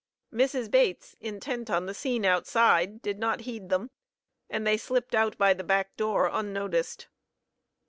Mrs. Bates, intent on the scene outside, did not heed them, and they slipped out by the back door, unnoticed.